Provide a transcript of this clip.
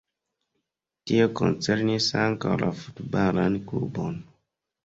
Tio koncernis ankaŭ la futbalan klubon.